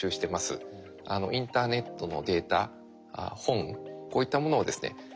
インターネットのデータ本こういったものをですね